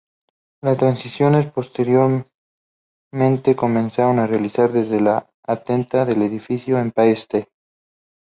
Las transmisiones posteriormente comenzaron a realizarse desde la antena del Edificio Empire State.